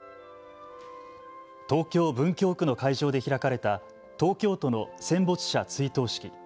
東京文京区の会場で開かれた東京都の戦没者追悼式。